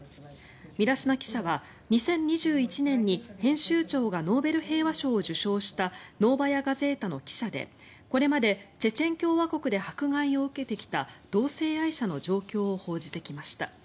ミラシナ記者は２０２１年に編集長がノーベル平和賞を受賞したノーバヤ・ガゼータの記者でこれまでチェチェン共和国で迫害を受けてきた同性愛者の状況を報じてきました。